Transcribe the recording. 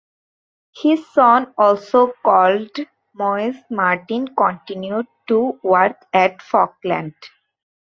His son also called Moyse Martin continued to work at Falkland.